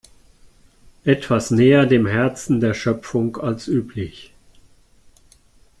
Etwas näher dem Herzen der Schöpfung als üblich.